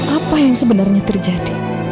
apa yang sebenarnya terjadi